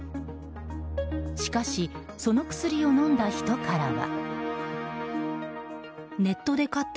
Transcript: しかしその薬を飲んだ人からは。